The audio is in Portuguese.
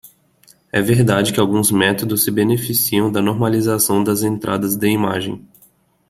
É verdade que alguns métodos se beneficiam da normalização das entradas de imagem.